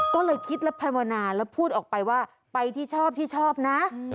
ก็เลยคิดและภาวนาแล้วพูดออกไปว่าไปที่ชอบที่ชอบนะ